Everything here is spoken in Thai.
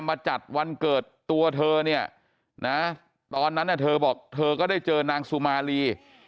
มาจัดวันเกิดตัวเธอเนี่ยนะตอนนั้นเธอบอกเธอก็ได้เจอนางสุมารี